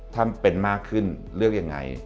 ถ้าเป็นมากขึ้นเลือกยังไง